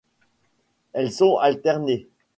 Elles sont alternées.